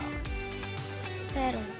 gimana perasaannya di atas